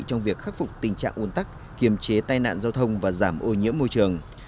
trong việc khắc phục tình trạng ồn tắc kiềm chế tai nạn giao thông và giảm ô nhiễm môi trường